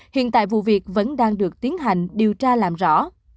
hiện tại vụ việc vẫn đang được tiến hành điều tra làm rõ